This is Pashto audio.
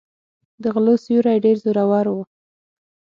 د غلو سیوری ډېر زورور و.